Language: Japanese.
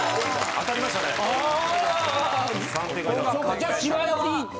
じゃあ千葉寄り。